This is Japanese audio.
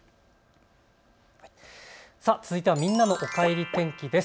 続いてはみんなのおかえり天気です。